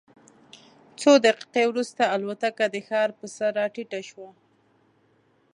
څو دقیقې وروسته الوتکه د ښار پر سر راټیټه شوه.